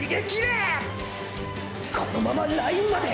このままラインまで！！